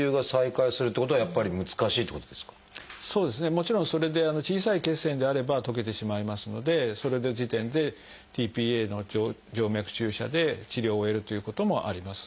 もちろんそれで小さい血栓であれば溶けてしまいますのでそれの時点でｔ−ＰＡの静脈注射で治療を終えるということもあります。